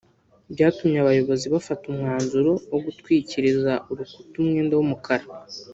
byatumye abayobozi bafata umwanzuro wo gutwikiriza uru rukuta umwenda w’umukara